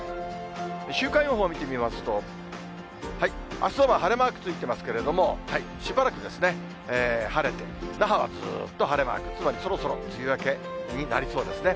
週間予報を見てみますと、あすは晴れマークついてますけれども、しばらくですね、晴れて、那覇はずっと晴れマーク、つまりそろそろ梅雨明けになりそうですね。